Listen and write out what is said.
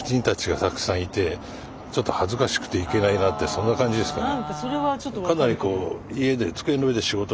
そんな感じですかね。